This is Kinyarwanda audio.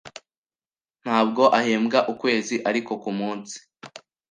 Ntabwo ahembwa ukwezi, ariko kumunsi.